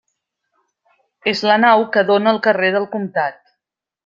És la nau que dóna al carrer del Comtat.